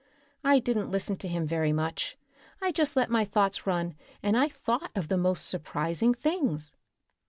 I didn't listen to him very much. I just let my thoughts run and I thought of the most surprising things."